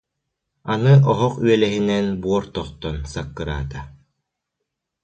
Аны оһох үөлэһинэн буор тохтон, саккыраата